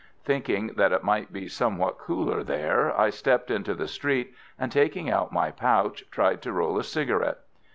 Thinking that it might be somewhat cooler there, I stepped into the street, and taking out my pouch, tried to roll a cigarette.